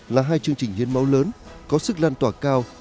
là hai chương trình hiến máu lớn có sức lan tỏa cao